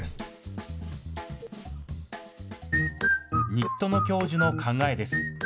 入戸野教授の考えです。